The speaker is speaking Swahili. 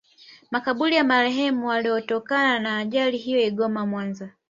Makaburi ya marehemu waliotokana na ajali hiyo Igoma Mwanza